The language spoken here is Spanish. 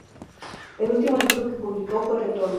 El último libro que publicó fue "Retornos.